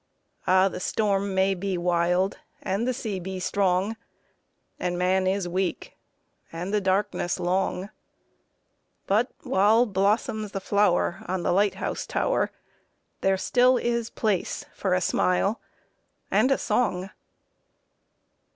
Ah, the storm may be wild and the sea be strong, And man is weak and the darkness long, But while blossoms the flower on the light house tower There still is place for a smile and a song.